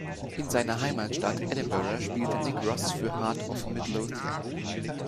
In seiner Heimatstadt Edinburgh spielte Nick Ross für Heart of Midlothian.